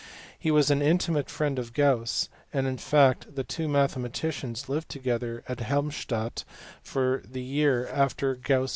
He was an intimate friend of Gauss, and in fact the two mathe maticians lived together at Helmstadt for the year after Gauss PFAFF.